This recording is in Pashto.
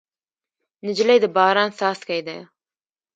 نجلۍ د باران څاڅکی ده.